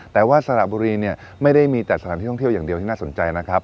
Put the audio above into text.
แต่ว่าสระบุรีเนี่ยไม่ได้มีแต่สถานที่ท่องเที่ยวอย่างเดียวที่น่าสนใจนะครับ